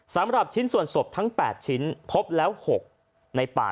สำหรับชิ้นส่วนศพทั้ง๘ชิ้นพบแล้ว๖ในป่า